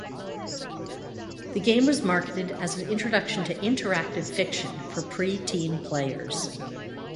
The game was marketed as an introduction to interactive fiction for pre-teen players.